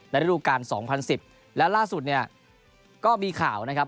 และได้ดูการสองพันสิบและล่าสุดเนี่ยก็มีข่าวนะครับ